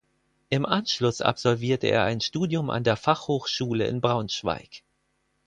Im Anschluss absolvierte er ein Studium an der Fachhochschule in Braunschweig.